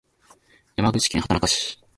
山口県畑中市